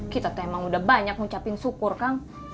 kita tuh emang udah banyak ngucapin syukur kang